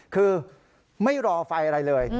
คือไม่รอไฟอะไรเลย